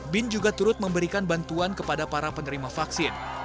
bin juga turut memberikan bantuan kepada para penerima vaksin